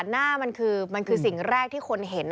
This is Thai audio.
หน้ามันคือสิ่งแรกที่คนเห็น